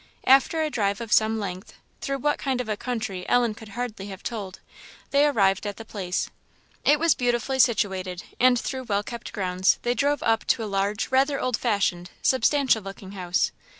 After a drive of some length, through what kind of a country Ellen could hardly have told, they arrived at the place. It was beautifully situated; and through well kept grounds they drove up to a large, rather old fashioned, substantial looking house.